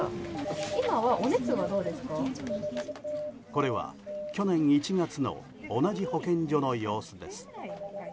これは去年１月の同じ保健所の様子です。